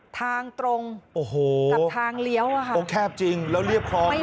ทางตรงกับทางเหลียวค่ะโอ้โหโอ้แคบจริงแล้วเรียบครองด้วย